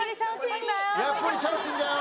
やっぱりシャオティンだよ！